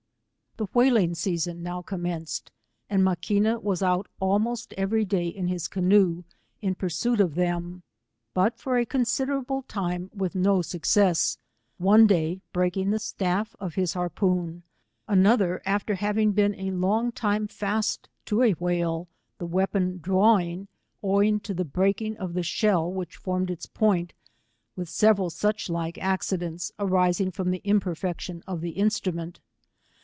The whalmg season now commenced, and Ma quina was out almost every day in his canoe, in pursuit of them, hut for a considerable time, with no success, one day breaking the staff of his har poon, another, after having been a long time fast to a whale, the weapon drawing, owing to the breaking of the shell, which formed its point, with several such like accidents, arising from the imper fection of the instrument.